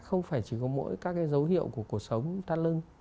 không phải chỉ có mỗi các cái dấu hiệu của cuộc sống